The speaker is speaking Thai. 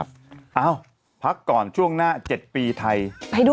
มีสารตั้งต้นเนี่ยคือยาเคเนี่ยใช่ไหมคะ